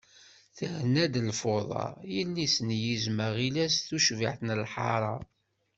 Terna-d lfuḍa, yelli-s n yizem aɣilas tucbiḥt deg lḥara.